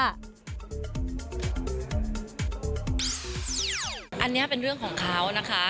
อันนี้เป็นเรื่องของเขานะคะ